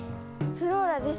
フローラです。